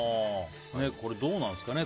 これ、どうなんですかね。